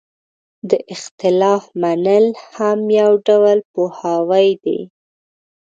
د اختلاف منل هم یو ډول پوهاوی دی.